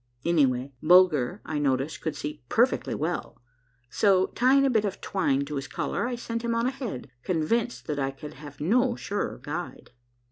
Anyway, Bulger, I noticed, could see perfectly well ; so tying a bit of twine to his collar, I sent him on ahead, convinced that I could have no surer guide.